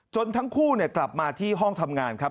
ทั้งคู่กลับมาที่ห้องทำงานครับ